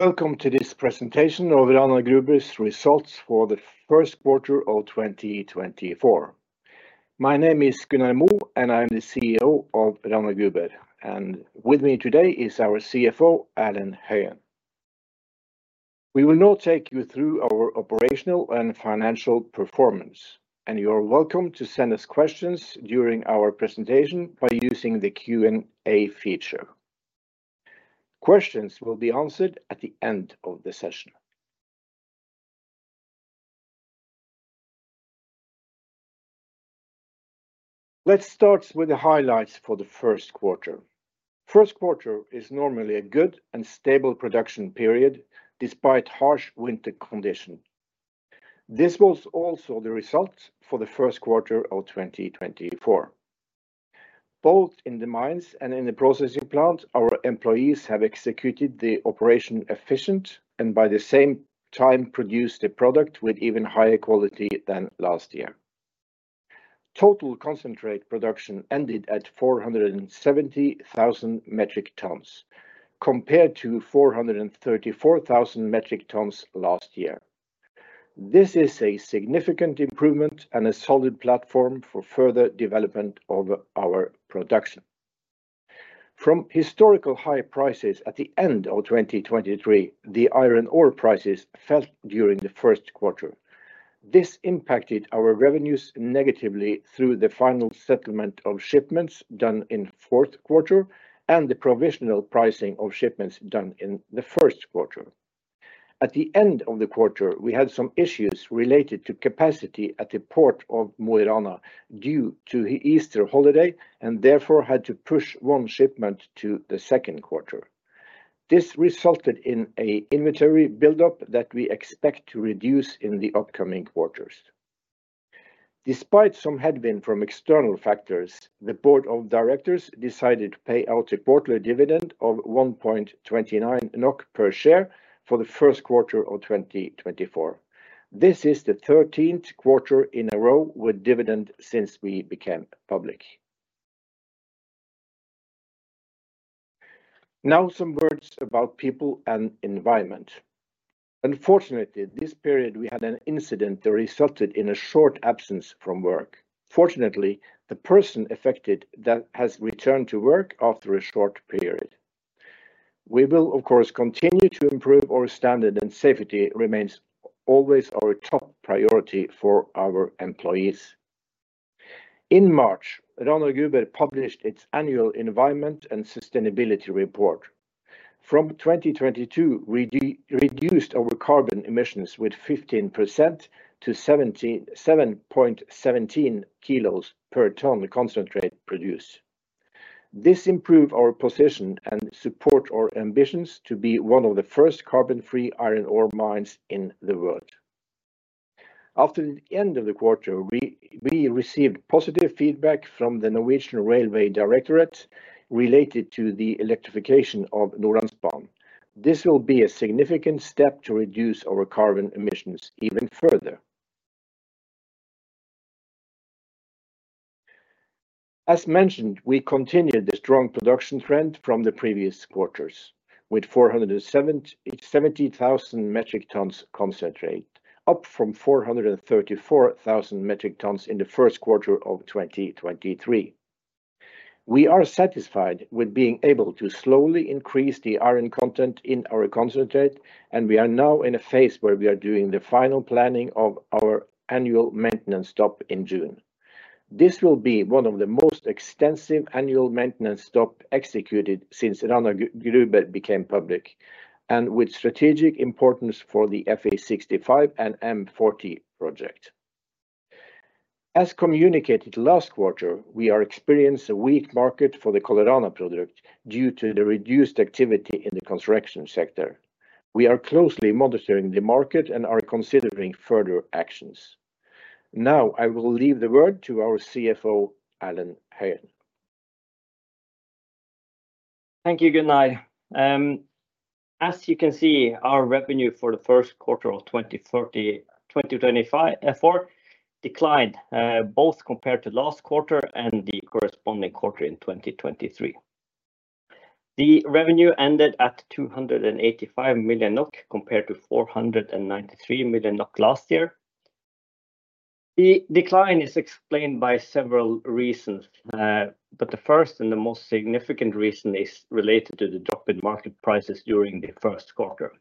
Welcome to this presentation of Rana Gruber's results for the first quarter of 2024. My name is Gunnar Moe, and I'm the CEO of Rana Gruber. With me today is our CFO, Erlend Høyen. We will now take you through our operational and financial performance, and you are welcome to send us questions during our presentation by using the Q&A feature. Questions will be answered at the end of the session. Let's start with the highlights for the first quarter. First quarter is normally a good and stable production period, despite harsh winter condition. This was also the result for the first quarter of 2024. Both in the mines and in the processing plant, our employees have executed the operation efficient, and by the same time, produced a product with even higher quality than last year. Total concentrate production ended at 470,000 metric tons, compared to 434,000 metric tons last year. This is a significant improvement and a solid platform for further development of our production. From historical high prices at the end of 2023, the iron ore prices fell during the first quarter. This impacted our revenues negatively through the final settlement of shipments done in fourth quarter and the provisional pricing of shipments done in the first quarter. At the end of the quarter, we had some issues related to capacity at the port of Mo i Rana due to the Easter holiday, and therefore had to push one shipment to the second quarter. This resulted in an inventory buildup that we expect to reduce in the upcoming quarters. Despite some headwind from external factors, the board of directors decided to pay out a quarterly dividend of 1.29 NOK per share for the first quarter of 2024. This is the 13th quarter in a row with dividend since we became public. Now, some words about people and environment. Unfortunately, this period we had an incident that resulted in a short absence from work. Fortunately, the person affected that has returned to work after a short period. We will, of course, continue to improve our standard, and safety remains always our top priority for our employees. In March, Rana Gruber published its annual environment and sustainability report. From 2022, we reduced our carbon emissions with 15% to 77.17 kg per ton concentrate produced. This improves our position and supports our ambitions to be one of the first carbon-free iron ore mines in the world. After the end of the quarter, we received positive feedback from the Norwegian Railway Directorate related to the electrification of Nordlandsbanen. This will be a significant step to reduce our carbon emissions even further. As mentioned, we continued the strong production trend from the previous quarters, with 477,000 metric tons concentrate, up from 434,000 metric tons in the first quarter of 2023. We are satisfied with being able to slowly increase the iron content in our concentrate, and we are now in a phase where we are doing the final planning of our annual maintenance stop in June. This will be one of the most extensive annual maintenance stop executed since Rana Gruber became public, and with strategic importance for the Fe65 and M40 project. As communicated last quarter, we are experienced a weak market for the Colorana product due to the reduced activity in the construction sector. We are closely monitoring the market and are considering further actions. Now, I will leave the word to our CFO, Erlend Høyen. Thank you, Gunnar. As you can see, our revenue for the first quarter of 2024 declined both compared to last quarter and the corresponding quarter in 2023. The revenue ended at 285 million NOK, compared to 493 million NOK last year. The decline is explained by several reasons, but the first and the most significant reason is related to the drop in market prices during the first quarter.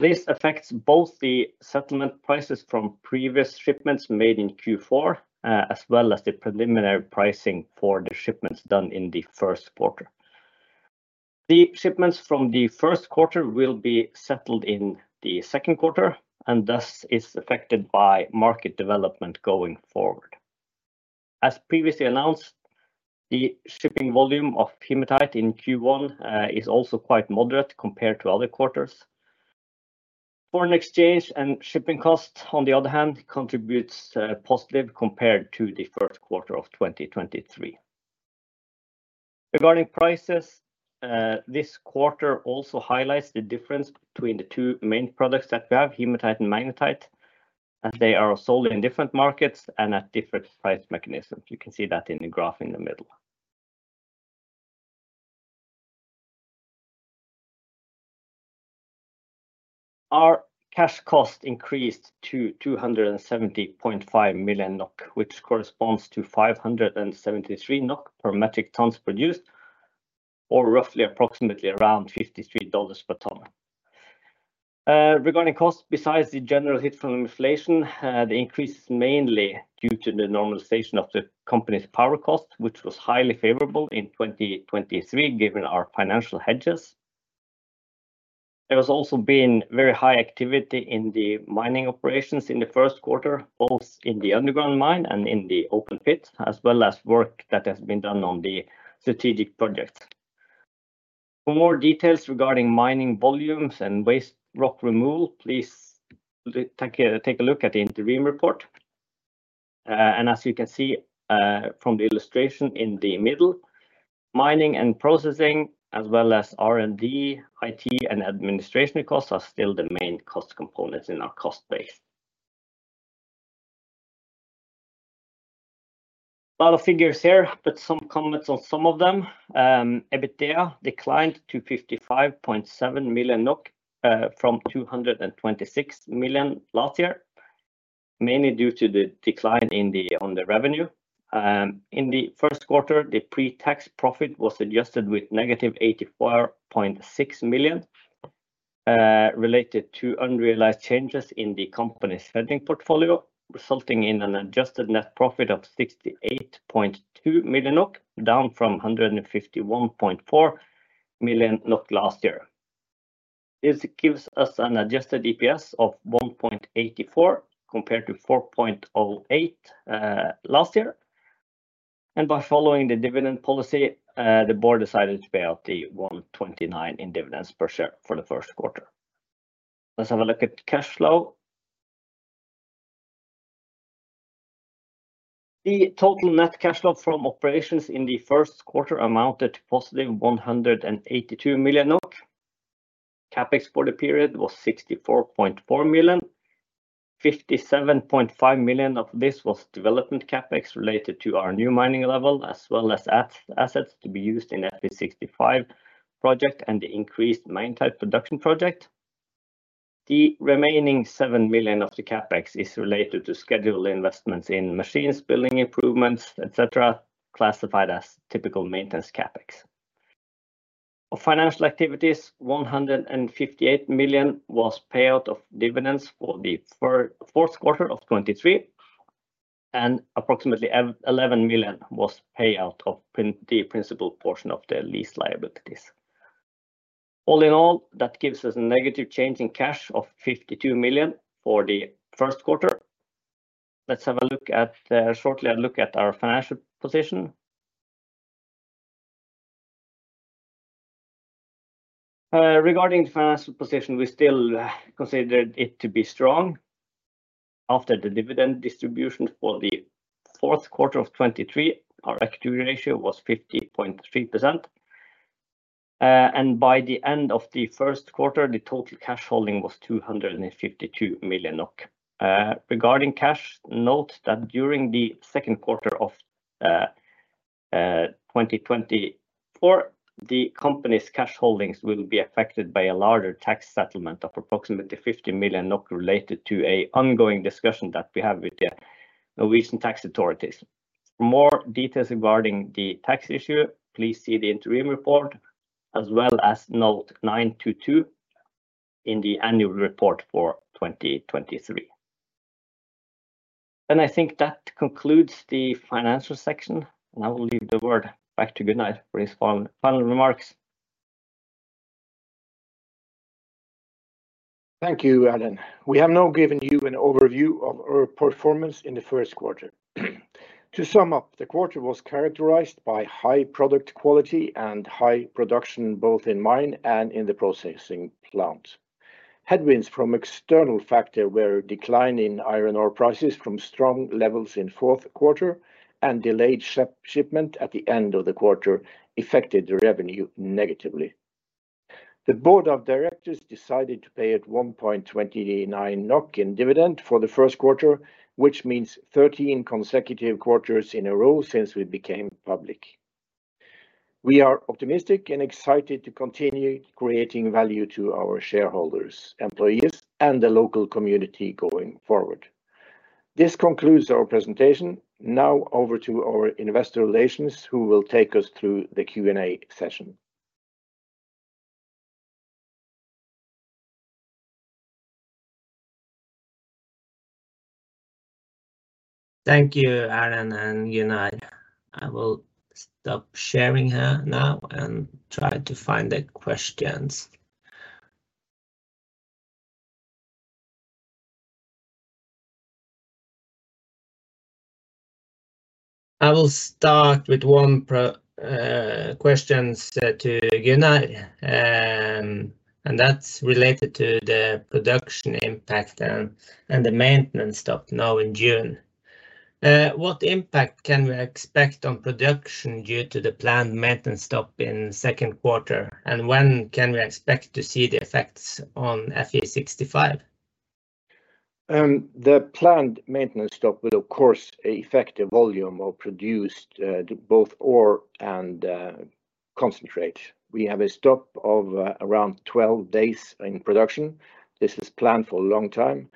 This affects both the settlement prices from previous shipments made in Q4, as well as the preliminary pricing for the shipments done in the first quarter. The shipments from the first quarter will be settled in the second quarter and thus is affected by market development going forward. As previously announced, the shipping volume of hematite in Q1 is also quite moderate compared to other quarters. Foreign exchange and shipping costs, on the other hand, contributes positive compared to the first quarter of 2023. Regarding prices, this quarter also highlights the difference between the two main products that we have, hematite and magnetite, as they are sold in different markets and at different price mechanisms. You can see that in the graph in the middle. Our cash cost increased to 270.5 million NOK, which corresponds to 573 NOK per metric tons produced, or roughly approximately around $53 per ton. Regarding costs, besides the general hit from inflation, the increase is mainly due to the normalization of the company's power cost, which was highly favorable in 2023, given our financial hedges. There has also been very high activity in the mining operations in the first quarter, both in the underground mine and in the open pit, as well as work that has been done on the strategic projects. For more details regarding mining volumes and waste rock removal, please take a look at the interim report. And as you can see, from the illustration in the middle, mining and processing, as well as R&D, IT, and administration costs, are still the main cost components in our cost base. A lot of figures here, but some comments on some of them. EBITDA declined to 55.7 million NOK from 226 million last year, mainly due to the decline on the revenue. In the first quarter, the pre-tax profit was adjusted with negative 84.6 million, related to unrealized changes in the company's hedging portfolio, resulting in an adjusted net profit of 68.2 million NOK, down from 151.4 million NOK last year. This gives us an adjusted EPS of 1.84, compared to 4.08 last year. By following the dividend policy, the board decided to pay out the 1.29 in dividends per share for the first quarter. Let's have a look at cash flow. The total net cash flow from operations in the first quarter amounted to positive 182 million NOK. CapEx for the period was 64.4 million, 57.5 million of this was development CapEx related to our new mining level, as well as assets to be used in Fe65 project and the increased magnetite production project. The remaining 7 million of the CapEx is related to scheduled investments in machines, building improvements, et cetera, classified as typical maintenance CapEx. Of financial activities, 158 million was payout of dividends for the fourth quarter of 2023, and approximately 11 million was payout of the principal portion of the lease liabilities. All in all, that gives us a negative change in cash of 52 million for the first quarter. Let's have a look at, shortly a look at our financial position. Regarding the financial position, we still considered it to be strong. After the dividend distribution for the fourth quarter of 2023, our equity ratio was 50.3%. And by the end of the first quarter, the total cash holding was 252 million NOK. Regarding cash, note that during the second quarter of 2024, the company's cash holdings will be affected by a larger tax settlement of approximately 50 million NOK related to an ongoing discussion that we have with the Norwegian tax authorities. For more details regarding the tax issue, please see the interim report, as well as note 922 in the annual report for 2023. Then I think that concludes the financial section, and I will leave the word back to Gunnar for his final, final remarks. Thank you, Erlend. We have now given you an overview of our performance in the first quarter. To sum up, the quarter was characterized by high product quality and high production, both in mine and in the processing plant. Headwinds from external factors were decline in iron ore prices from strong levels in fourth quarter, and delayed shipment at the end of the quarter affected the revenue negatively. The board of directors decided to pay out 1.29 NOK in dividend for the first quarter, which means 13 consecutive quarters in a row since we became public. We are optimistic and excited to continue creating value to our shareholders, employees, and the local community going forward. This concludes our presentation. Now, over to our investor relations, who will take us through the Q&A session. Thank you, Erlend and Gunnar. I will stop sharing here now and try to find the questions. I will start with one question to Gunnar, and that's related to the production impact and the maintenance stop now in June. What impact can we expect on production due to the planned maintenance stop in second quarter? And when can we expect to see the effects on Fe65? The planned maintenance stop will, of course, affect the volume of produced, both ore and, concentrate. We have a stop of, around 12 days in production. This is planned for a long time,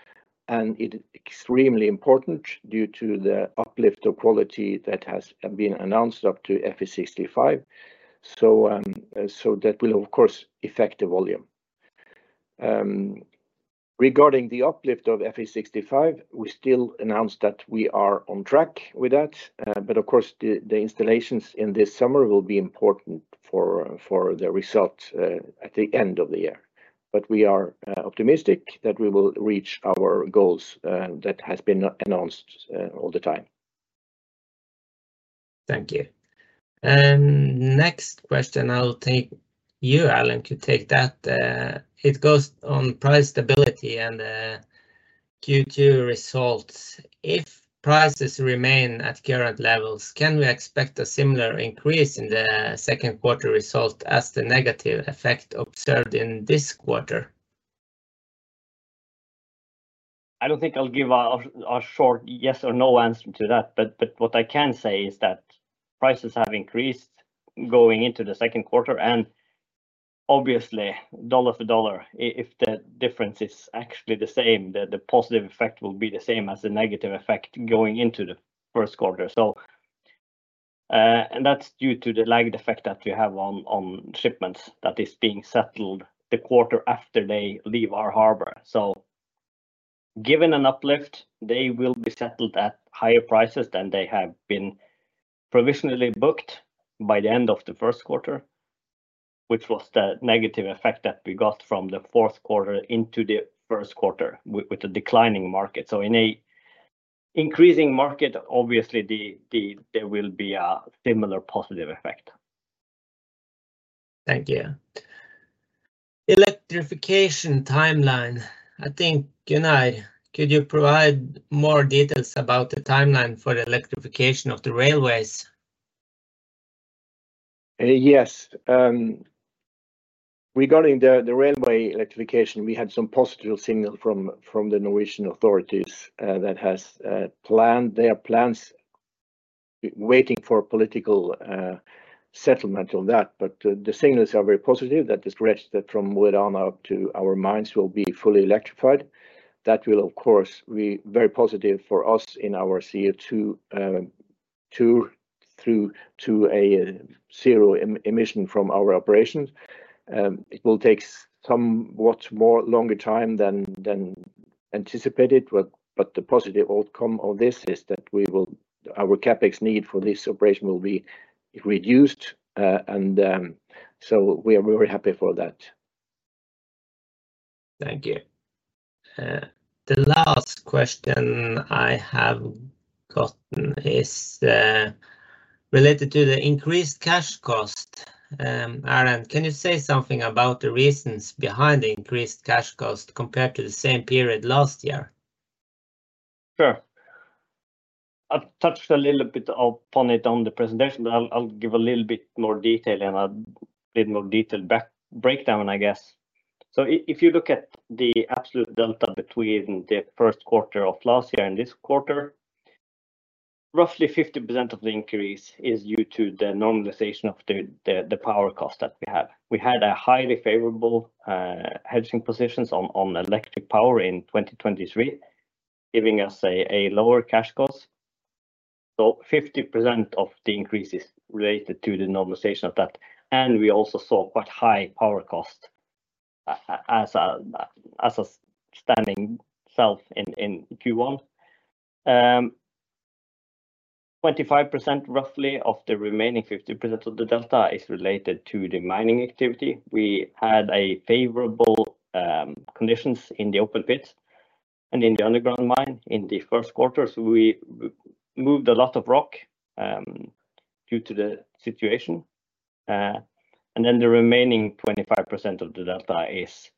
and it extremely important due to the uplift of quality that has, been announced up to Fe65. So, so that will, of course, affect the volume. Regarding the uplift of Fe65, we still announce that we are on track with that, but of course, the, the installations in this summer will be important for, for the result, at the end of the year. But we are, optimistic that we will reach our goals, that has been announced, all the time. Thank you. Next question, I think you, Erlend, could take that. It goes on price stability and Q2 results. If prices remain at current levels, can we expect a similar increase in the second quarter result as the negative effect observed in this quarter? I don't think I'll give a short yes or no answer to that, but what I can say is that prices have increased going into the second quarter, and obviously, dollar to dollar, if the difference is actually the same, the positive effect will be the same as the negative effect going into the first quarter. So, and that's due to the lag effect that we have on shipments that is being settled the quarter after they leave our harbor. So given an uplift, they will be settled at higher prices than they have been provisionally booked by the end of the first quarter, which was the negative effect that we got from the fourth quarter into the first quarter with the declining market. So in an increasing market, obviously, there will be a similar positive effect. Thank you. Electrification timeline. I think, Gunnar, could you provide more details about the timeline for the electrification of the railways? Yes. Regarding the railway electrification, we had some positive signal from the Norwegian authorities that has planned their plans, waiting for political settlement on that. But the signals are very positive that the stretch that from where down up to our mines will be fully electrified. That will, of course, be very positive for us in our CO2 two through to a zero emission from our operations. It will take somewhat more longer time than anticipated, but the positive outcome of this is that we will our CapEx need for this operation will be reduced, and so we are very happy for that. Thank you. The last question I have gotten is related to the increased cash cost. Erlend, can you say something about the reasons behind the increased cash cost compared to the same period last year? Sure. I've touched a little bit upon it on the presentation, but I'll give a little bit more detail and a bit more detailed breakdown, I guess. So if you look at the absolute delta between the first quarter of last year and this quarter, roughly 50% of the increase is due to the normalization of the power cost that we have. We had a highly favorable hedging positions on electric power in 2023, giving us a lower cash cost. So 50% of the increase is related to the normalization of that, and we also saw quite high power cost as a standalone in Q1. 25%, roughly, of the remaining 50% of the delta is related to the mining activity. We had a favorable, conditions in the open pits and in the underground mine. In the first quarter, so we moved a lot of rock, due to the situation. And then the remaining 25% of the delta is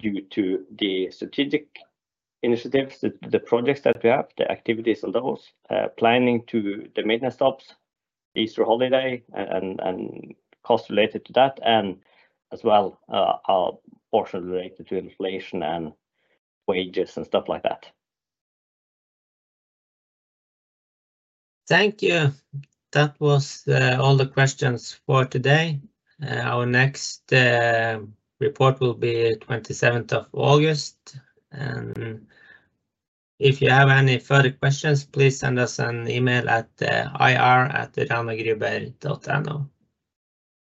due to the strategic initiatives, the, the projects that we have, the activities on those, planning to the maintenance stops, Easter holiday, and, and cost related to that, and as well, are partially related to inflation and wages and stuff like that. Thank you. That was all the questions for today. Our next report will be 27th of August. And if you have any further questions, please send us an email at ir@ranagruber.no.